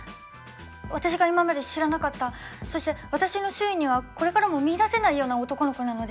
私が今まで知らなかったそして私の周囲にはこれからも見いだせないような男の子なのです。